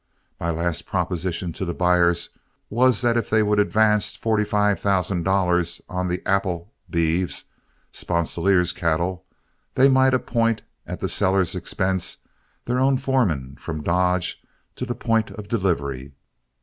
My last proposition to the buyers was that if they would advance forty five thousand dollars on the 'Apple' beeves Sponsilier's cattle they might appoint, at the seller's expense, their own foreman from Dodge to the point of delivery.